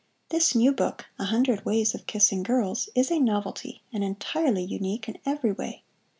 This new book "A Hundred Ways of Kissing Girls," is a novelty and entirely unique in every way.